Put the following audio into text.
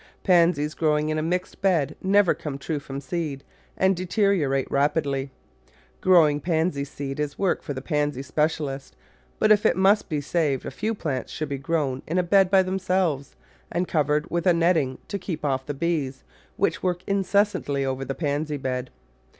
Pansies growing in a mixed bed never come true from seed and deteriorate rapidly. Growing Pansy seed is work for the Pansy specialist, but if it must be saved a few plants should be grown in a bed by them selves and covered with a netting to keep off the bees, which work incessantly over the Pansy bed.